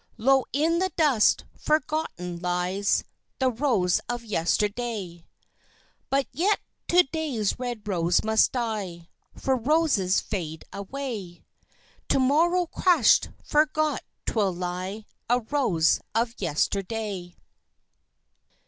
Low in the dust, forgotten, lies The rose of Yesterday. But yet, To day's red rose must die, (For roses fade alway!) To morrow crushed, forgot, 'twill lie A rose of Yesterday.